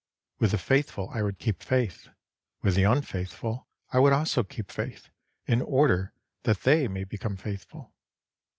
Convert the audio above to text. With the faithful I would keep faith ; with the unfaithful I would also keep faith, in order that they may become faithful.